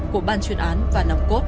của ban chuyên án và nằm cốt